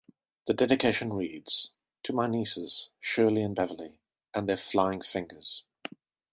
The dedication reads: "To my nieces, Shirley and Beverly, and their flying fingers".